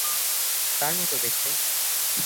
কার মতো দেখতে?